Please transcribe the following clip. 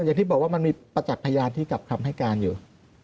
อย่างที่บอกว่ามันมีประจักษ์พยานที่กลับคำให้การอยู่